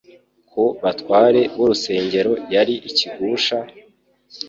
ku batware b'urusengero yari ikigusha,